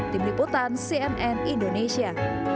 tim liputan cnn indonesia